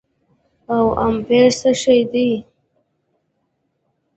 او امپير څه شي دي